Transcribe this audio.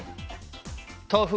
豆腐。